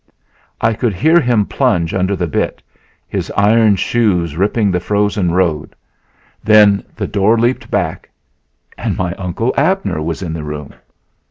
I could hear him plunge under the bit, his iron shoes ripping the frozen road; then the door leaped back and my Uncle Abner was in the room.